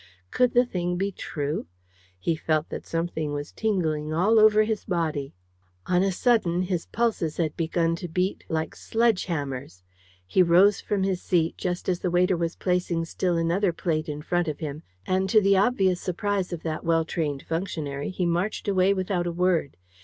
Could the thing be true? He felt that something was tingling all over his body. On a sudden, his pulses had begun to beat like sledge hammers. He rose from his seat, just as the waiter was placing still another plate in front of him, and, to the obvious surprise of that well trained functionary, he marched away without a word.